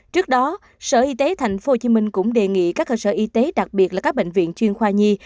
trước đó sở y tế tp hcm cũng đề nghị các cơ sở y tế đặc biệt là các bệnh viện chuyên khoa nhi